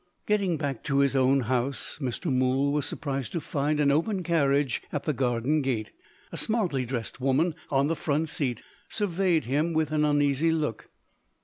Getting back to his own house, Mr. Mool was surprised to find an open carriage at the garden gate. A smartly dressed woman, on the front seat, surveyed him with an uneasy look.